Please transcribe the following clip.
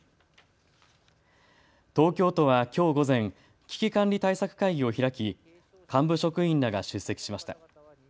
東京都はきょう午前、危機管理対策会議を開き幹部職員らが出席しました。